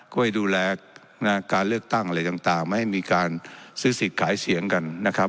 ช่วยดูแลการเลือกตั้งอะไรต่างไม่ให้มีการซื้อสิทธิ์ขายเสียงกันนะครับ